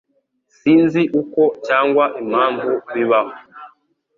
Sinzi uko cyangwa impamvu bibaho.